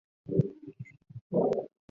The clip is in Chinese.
政治自由和人权是开放社会的基础。